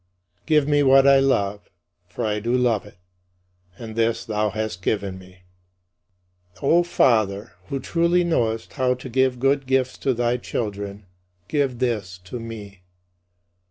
Give me what I love, for I do love it; and this thou hast given me. O Father, who truly knowest how to give good gifts to thy children, give this to me.